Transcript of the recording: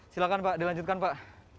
silahkan pak dilanjutkan pak